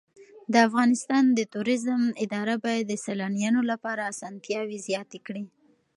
د افغانستان د توریزم اداره باید د سېلانیانو لپاره اسانتیاوې زیاتې کړي.